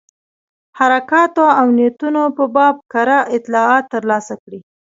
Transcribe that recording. حرکاتو او نیتونو په باب کره اطلاعات ترلاسه کړي.